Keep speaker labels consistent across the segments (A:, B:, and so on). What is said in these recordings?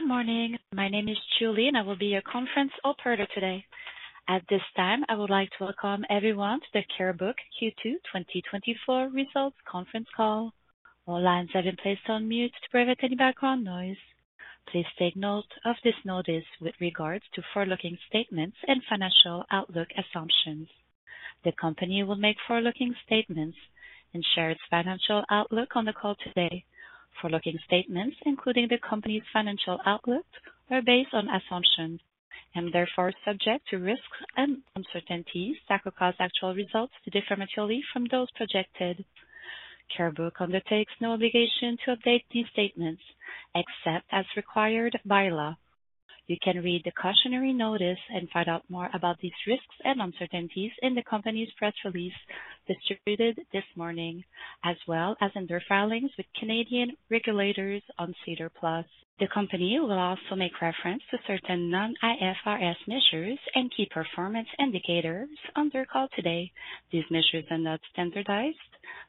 A: Good morning. My name is Julie, and I will be your conference operator today. At this time, I would like to welcome everyone to the Carebook Q2 2024 Results Conference Call. All lines have been placed on mute to prevent any background noise. Please take note of this notice with regards to forward-looking statements and financial outlook assumptions. The company will make forward-looking statements and share its financial outlook on the call today. Forward-looking statements, including the company's financial outlook, are based on assumptions and therefore subject to risks and uncertainties that could cause actual results to differ materially from those projected. Carebook undertakes no obligation to update these statements except as required by law. You can read the cautionary notice and find out more about these risks and uncertainties in the company's press release distributed this morning, as well as in their filings with Canadian regulators on SEDAR+. The company will also make reference to certain non-IFRS measures and key performance indicators on their call today. These measures are not standardized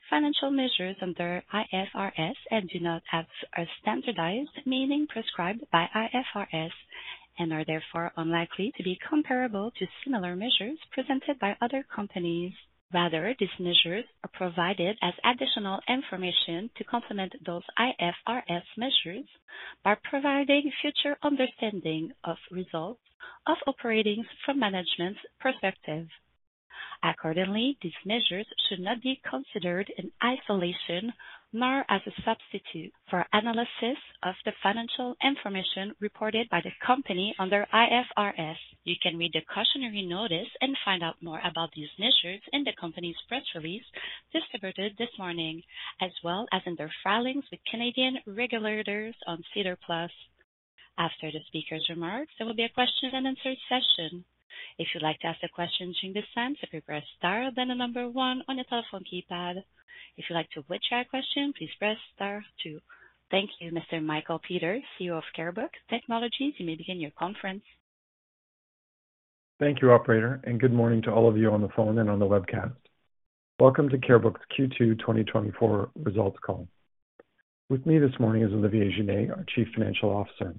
A: financial measures under IFRS and do not have a standardized meaning prescribed by IFRS, and are therefore unlikely to be comparable to similar measures presented by other companies. Rather, these measures are provided as additional information to complement those IFRS measures by providing future understanding of results of operating from management's perspective. Accordingly, these measures should not be considered in isolation, nor as a substitute for analysis of the financial information reported by the company under IFRS. You can read the cautionary notice and find out more about these measures in the company's press release distributed this morning, as well as in their filings with Canadian regulators on SEDAR+. After the speaker's remarks, there will be a question and answer session. If you'd like to ask a question during this time, simply press Star, then the number one on your telephone keypad. If you'd like to withdraw a question, please press star two. Thank you, Mr. Michael Peters, CEO of Carebook Technologies. You may begin your conference.
B: Thank you, operator, and good morning to all of you on the phone and on the webcast. Welcome to Carebook's Q2 2024 results call. With me this morning is Olivier Giner, our Chief Financial Officer.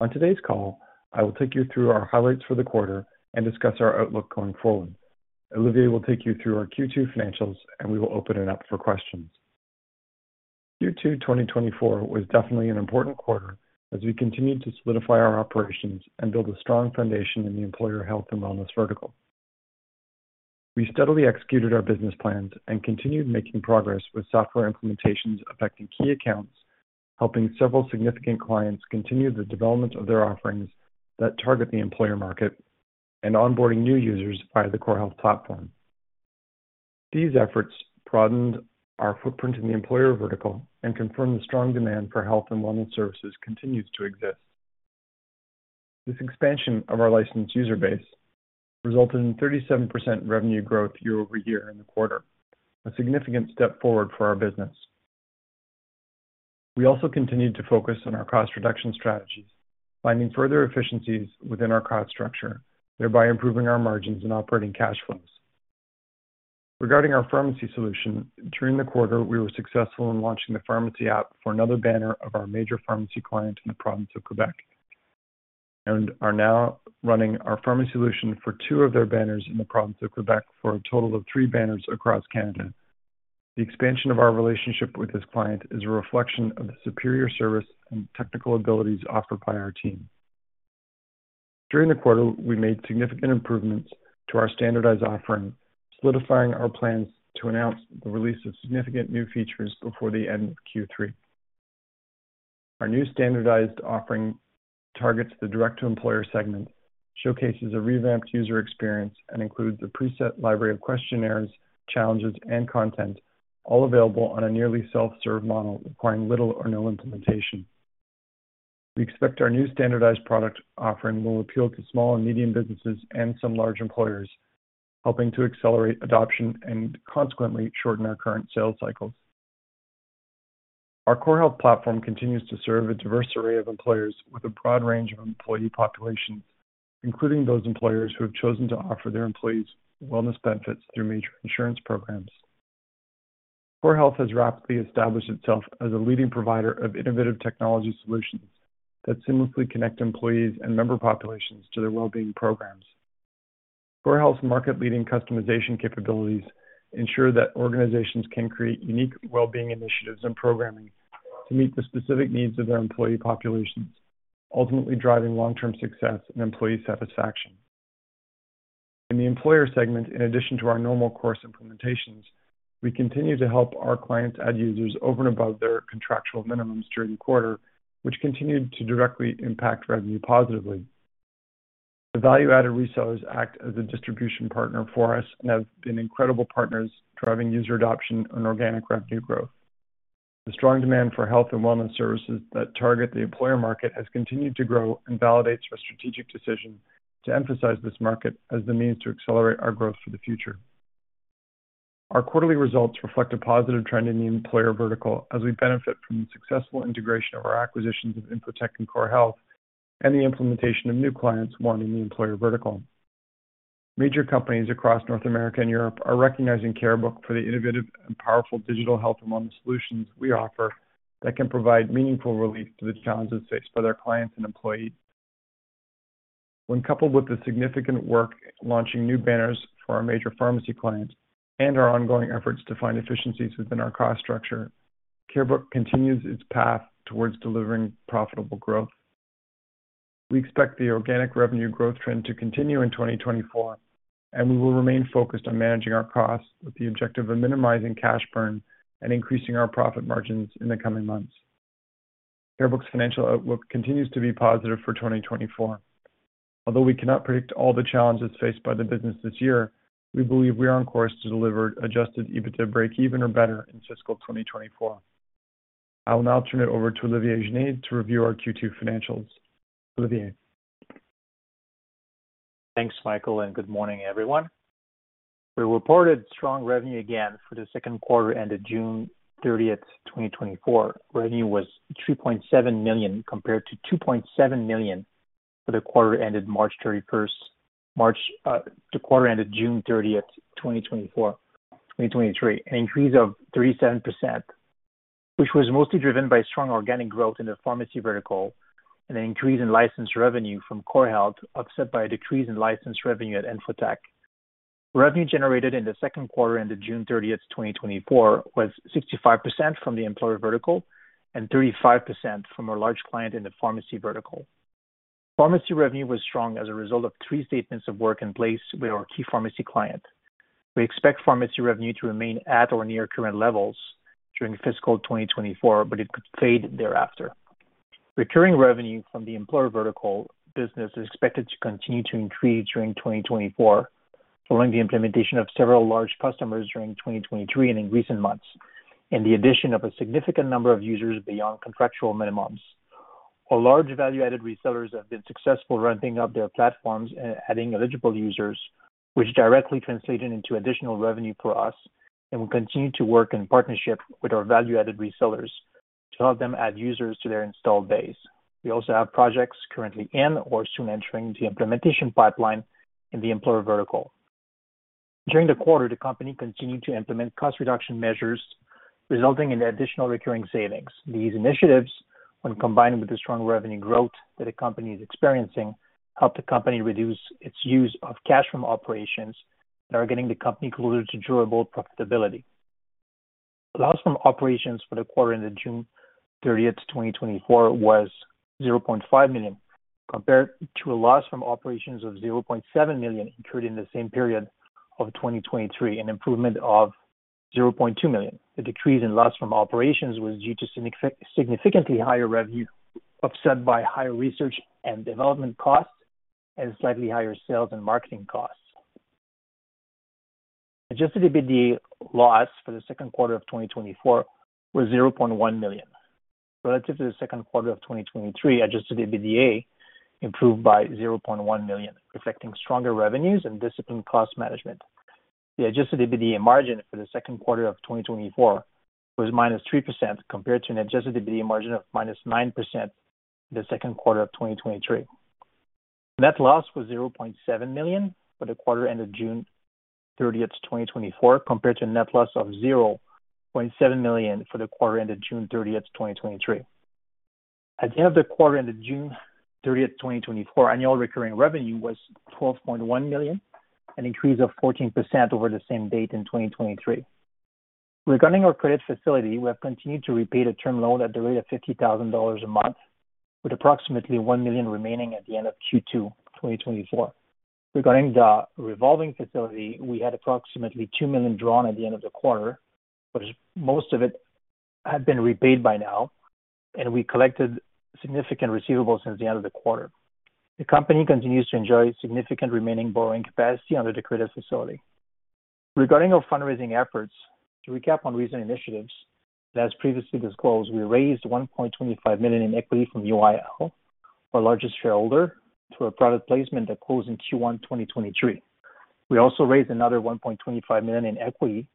B: On today's call, I will take you through our highlights for the quarter and discuss our outlook going forward. Olivier will take you through our Q2 financials, and we will open it up for questions. Q2 2024 was definitely an important quarter as we continued to solidify our operations and build a strong foundation in the employer health and wellness vertical. We steadily executed our business plans and continued making progress with software implementations affecting key accounts, helping several significant clients continue the development of their offerings that target the employer market and onboarding new users via the Core Health platform. These efforts broadened our footprint in the employer vertical and confirmed the strong demand for health and wellness services continues to exist. This expansion of our licensed user base resulted in 37% revenue growth year over year in the quarter, a significant step forward for our business. We also continued to focus on our cost reduction strategies, finding further efficiencies within our cost structure, thereby improving our margins and operating cash flows. Regarding our pharmacy solution, during the quarter, we were successful in launching the pharmacy app for another banner of our major pharmacy client in the province of Quebec, and are now running our pharmacy solution for two of their banners in the province of Quebec for a total of three banners across Canada. The expansion of our relationship with this client is a reflection of the superior service and technical abilities offered by our team. During the quarter, we made significant improvements to our standardized offering, solidifying our plans to announce the release of significant new features before the end of Q3. Our new standardized offering targets the direct to employer segment, showcases a revamped user experience, and includes a preset library of questionnaires, challenges, and content, all available on a nearly self-serve model, requiring little or no implementation. We expect our new standardized product offering will appeal to small and medium businesses and some large employers, helping to accelerate adoption and consequently shorten our current sales cycles. Our CoreHealth platform continues to serve a diverse array of employers with a broad range of employee populations, including those employers who have chosen to offer their employees wellness benefits through major insurance programs. CoreHealth has rapidly established itself as a leading provider of innovative technology solutions that seamlessly connect employees and member populations to their wellbeing programs. CoreHealth's market-leading customization capabilities ensure that organizations can create unique wellbeing initiatives and programming to meet the specific needs of their employee populations, ultimately driving long-term success and employee satisfaction. In the employer segment, in addition to our normal course implementations, we continue to help our clients add users over and above their contractual minimums during the quarter, which continued to directly impact revenue positively. The value-added resellers act as a distribution partner for us and have been incredible partners, driving user adoption and organic revenue growth. The strong demand for health and wellness services that target the employer market has continued to grow and validates our strategic decision to emphasize this market as the means to accelerate our growth for the future. Our quarterly results reflect a positive trend in the employer vertical as we benefit from the successful integration of our acquisitions of InfoTech and CoreHealth and the implementation of new clients wanting the employer vertical. Major companies across North America and Europe are recognizing Carebook for the innovative and powerful digital health and wellness solutions we offer that can provide meaningful relief to the challenges faced by their clients and employees. When coupled with the significant work launching new banners for our major pharmacy clients and our ongoing efforts to find efficiencies within our cost structure, Carebook continues its path towards delivering profitable growth. We expect the organic revenue growth trend to continue in twenty twenty-four, and we will remain focused on managing our costs with the objective of minimizing cash burn and increasing our profit margins in the coming months. Carebook's financial outlook continues to be positive for twenty twenty-four. Although we cannot predict all the challenges faced by the business this year, we believe we are on course to deliver Adjusted EBITDA breakeven or better in fiscal twenty twenty-four. I will now turn it over to Olivier Genet to review our Q2 financials. Olivier?
C: Thanks, Michael, and good morning, everyone. We reported strong revenue again for the second quarter ended June thirtieth, 2024. Revenue was 3.7 million, compared to 2.7 million for the quarter ended March thirty-first, the quarter ended June thirtieth, 2023, an increase of 37%, which was mostly driven by strong organic growth in the pharmacy vertical and an increase in licensed revenue from CoreHealth, offset by a decrease in licensed revenue at InfoTech. Revenue generated in the second quarter, ended June thirtieth, 2024, was 65% from the employer vertical and 35% from a large client in the pharmacy vertical. Pharmacy revenue was strong as a result of three statements of work in place with our key pharmacy client. We expect pharmacy revenue to remain at or near current levels during fiscal 2024, but it could fade thereafter. Recurring revenue from the employer vertical business is expected to continue to increase during 2024, following the implementation of several large customers during 2023 and in recent months, and the addition of a significant number of users beyond contractual minimums. Our large value-added resellers have been successful ramping up their platforms and adding eligible users, which directly translated into additional revenue for us and will continue to work in partnership with our value-added resellers to help them add users to their installed base. We also have projects currently in or soon entering the implementation pipeline in the employer vertical. During the quarter, the company continued to implement cost reduction measures, resulting in additional recurring savings. These initiatives, when combined with the strong revenue growth that the company is experiencing, helped the company reduce its use of cash from operations that are getting the company closer to durable profitability. The loss from operations for the quarter ended June thirtieth, 2024, was 0.5 million, compared to a loss from operations of 0.7 million incurred in the same period of 2023, an improvement of 0.2 million. The decrease in loss from operations was due to significantly higher revenue, offset by higher research and development costs and slightly higher sales and marketing costs. Adjusted EBITDA loss for the second quarter of 2024 was 0.1 million. Relative to the second quarter of 2023, adjusted EBITDA improved by 0.1 million, reflecting stronger revenues and disciplined cost management. The Adjusted EBITDA margin for the second quarter of 2024 was minus 3%, compared to an Adjusted EBITDA margin of minus 9% in the second quarter of 2023. Net loss was 0.7 million for the quarter ended June thirtieth, 2024, compared to a net loss of 0.7 million for the quarter ended June thirtieth, 2023. At the end of the quarter ended June thirtieth, 2024, annual recurring revenue was 12.1 million, an increase of 14% over the same date in 2023. Regarding our credit facility, we have continued to repay the term loan at the rate of 50,000 dollars a month, with approximately 1 million remaining at the end of Q2 2024. Regarding the revolving facility, we had approximately 2 million drawn at the end of the quarter, but most of it had been repaid by now, and we collected significant receivables since the end of the quarter. The company continues to enjoy significant remaining borrowing capacity under the credit facility. Regarding our fundraising efforts, to recap on recent initiatives, as previously disclosed, we raised 1.25 million in equity from UIL, our largest shareholder, through a private placement that closed in Q1 2023. We also raised another 1.25 million in equity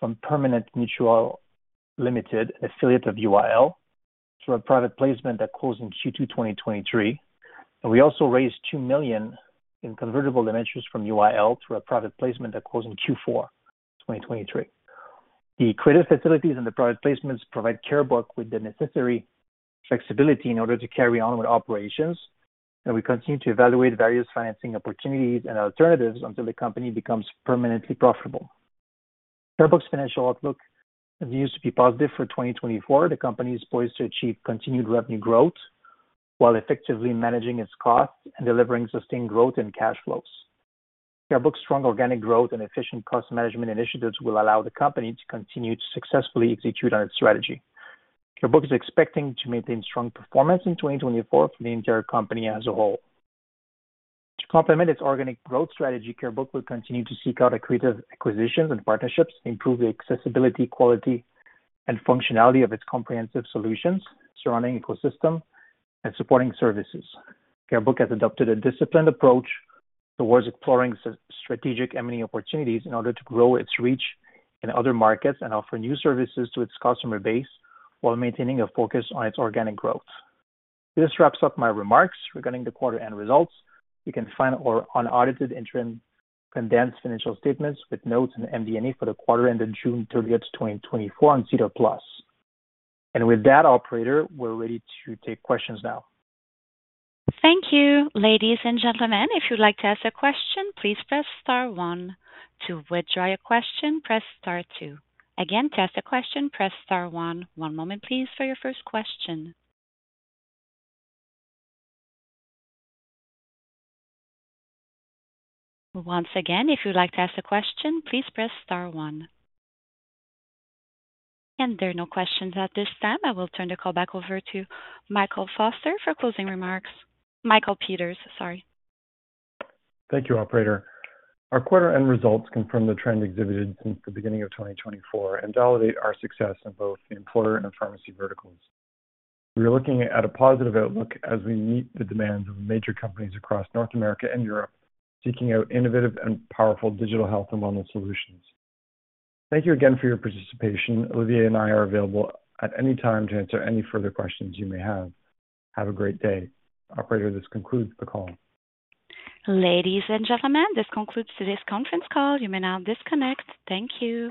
C: from Permanent Mutual Limited, affiliate of UIL, through a private placement that closed in Q2 2023. We also raised 2 million in convertible debentures from UIL through a private placement that closed in Q4 2023. The credit facilities and the privaplacements provide Carebook with the necessary flexibility in order to carry on with operations, and we continue to evaluate various financing opportunities and alternatives until the company becomes permanently profitable. Carebook's financial outlook continues to be positive for twenty twenty-four. The company is poised to achieve continued revenue growth while effectively managing its costs and delivering sustained growth in cash flows. Carebook's strong organic growth and efficient cost management initiatives will allow the company to continue to successfully execute on its strategy. Carebook is expecting to maintain strong performance in twenty twenty-four for the entire company as a whole. To complement its organic growth strategy, Carebook will continue to seek out accretive acquisitions and partnerships to improve the accessibility, quality, and functionality of its comprehensive solutions, surrounding ecosystem, and supporting services. Carebook has adopted a disciplined approach towards exploring strategic M&A opportunities in order to grow its reach in other markets and offer new services to its customer base while maintaining a focus on its organic growth. This wraps up my remarks regarding the quarter end results. You can find our unaudited interim condensed financial statements with notes and MD&A for the quarter ended June thirtieth, twenty twenty-four, on SEDAR+. And with that operator, we're ready to take questions now.
A: Thank you, ladies and gentlemen. If you'd like to ask a question, please press star one. To withdraw your question, press star two. Again, to ask a question, press star one. One moment, please, for your first question. Once again, if you'd like to ask a question, please press star one. There are no questions at this time. I will turn the call back over to Michael Peters for closing remarks. Sorry.
B: Thank you, operator. Our quarter-end results confirm the trend exhibited since the beginning of twenty twenty-four and validate our success in both the employer and pharmacy verticals. We are looking at a positive outlook as we meet the demands of major companies across North America and Europe, seeking out innovative and powerful digital health and wellness solutions. Thank you again for your participation. Olivier and I are available at any time to answer any further questions you may have. Have a great day. Operator, this concludes the call.
A: Ladies and gentlemen, this concludes today's conference call. You may now disconnect. Thank you.